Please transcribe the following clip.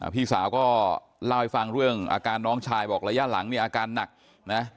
พี่สาวก็เล่าให้ฟังเรื่องอาการน้องชายบอกระยะหลังเนี่ยอาการหนักนะ